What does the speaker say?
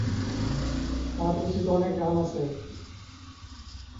তার রচিত অনেক গান আছে।